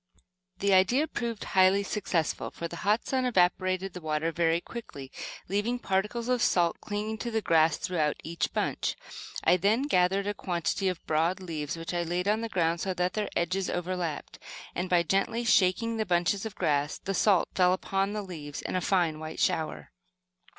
The idea proved highly successful, for the hot sun evaporated the water very quickly, leaving particles of salt clinging to the grass throughout each bunch. I then gathered a quantity of broad leaves which I laid on the ground so that their edges over lapped, and by gently shaking the bunches of grass the salt fell upon the leaves in a fine white shower.